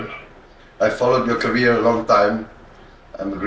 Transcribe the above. kedua duanya berharap bisa melanjutkan kerjasama antar kedua negara